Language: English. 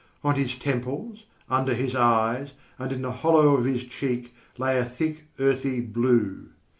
On his temples, under his eyes, and in the hollow of his cheek lay a thick, earthy blue.